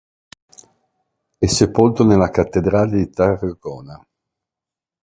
È sepolto nella cattedrale di Tarragona.